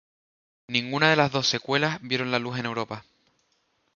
Ninguna de las dos secuelas vieron la luz en Europa.